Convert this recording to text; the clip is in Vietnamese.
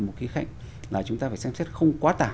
một cái khảnh là chúng ta phải xem xét không quá tả